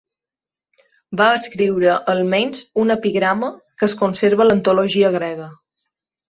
Va escriure almenys un epigrama que es conserva a l'antologia grega.